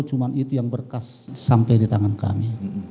cuma itu yang berkas sampai di tangan kami